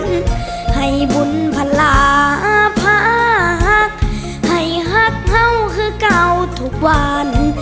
ให้บุญพลาพักให้หักเห่าคือเก่าทุกวัน